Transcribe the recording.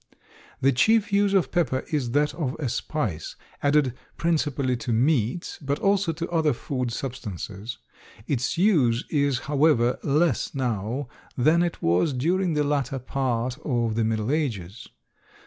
The chief use of pepper is that of a spice, added principally to meats, but also to other food substances. Its use is, however, less now than it was during the latter part of the Middle Ages.